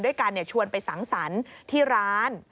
การชวนไปสังสรรค์ที่ร้าน